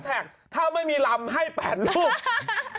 แท็กถ้าไม่มีลำให้๘รูป